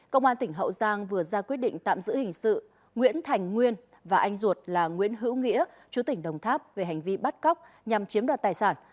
công an tỉnh hậu giang vừa ra quyết định tạm giữ hình sự nguyễn thành nguyên và anh ruột là nguyễn hữu nghĩa chú tỉnh đồng tháp về hành vi bắt cóc nhằm chiếm đoạt tài sản